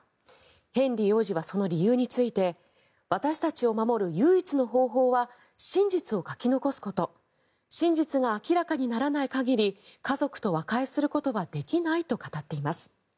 ヘンリー王子はその理由について私たちを守る唯一の方法は真実を書き残すこと真実が明らかにならない限り家族と和解することはできないと語っています。